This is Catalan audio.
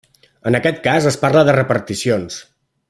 En aquest cas es parla de reparticions.